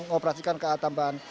mengoperasikan ka tambahan